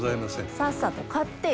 さっさと買ってよ。